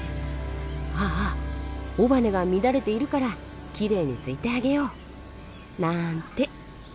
ああ尾羽が乱れているからきれいにすいてあげよう」なんて。